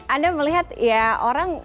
anda melihat ya orang